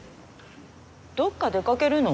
どっか出掛けるの？